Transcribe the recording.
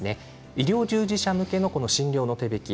医療従事者向けの診療の手引き